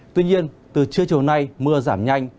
tuy nhiên từ trưa chiều nay mưa giảm nhanh